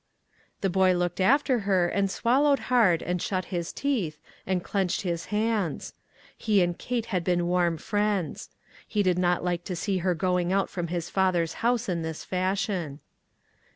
The boy looked after her, and swallowed hard, and shut his teeth, and clenched his hands. He and Kate had been warm friends. He did not like to see her going out from his father's house in this fashion.